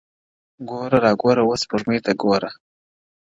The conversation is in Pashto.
گوره را گوره وه شپوږمۍ ته گوره”